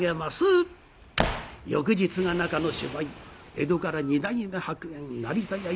翌日が中の芝居江戸から二代目白猿成田屋